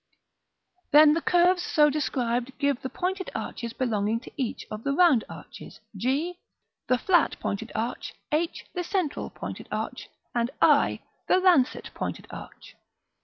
Then the curves so described give the pointed arches belonging to each of the round arches; g, the flat pointed arch, h, the central pointed arch, and i, the lancet pointed arch.